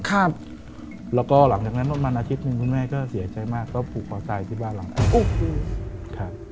แล้วก็หลังจากนั้นมานาทิศนึงคุณแม่ก็เสียใจมากก็ภูกคอตายที่บ้านหลังนั้น